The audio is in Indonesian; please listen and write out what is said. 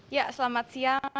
ya selamat siang